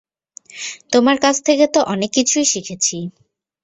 তোমার কাছ থেকে তো অনেক কিছুই শিখেছি।